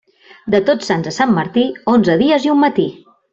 De Tots Sants a Sant Martí, onze dies i un matí.